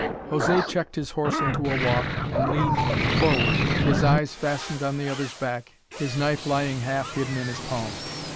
José checked his horse into a walk and leaned forward, his eyes fastened on the other's back, his knife lying half hidden in his palm.